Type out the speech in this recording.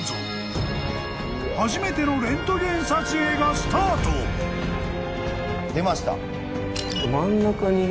［初めてのレントゲン撮影がスタート］出ました。